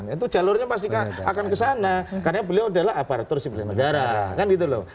itu jalurnya pasti akan kesana karena beliau adalah aparatur sipil negara kan gitu loh